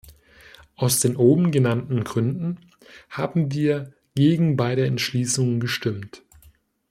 Aus den oben genannten Gründen haben wir gegen beide Entschließungen gestimmt.